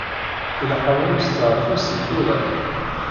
Ilaq-awen usteɛfu seg tura.